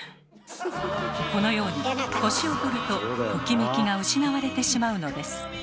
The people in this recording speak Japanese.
このように年を取るとトキメキが失われてしまうのです。